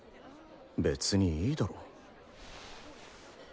別にいいだろ